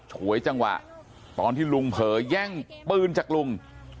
ฉวยจังหวะตอนที่ลุงเผลอแย่งปืนจากลุง